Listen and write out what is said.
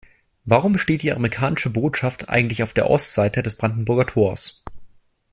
Warum steht die amerikanische Botschaft eigentlich auf der Ostseite des Brandenburger Tors?